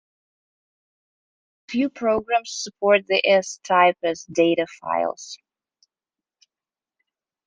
A few programs support the "S" type as data files.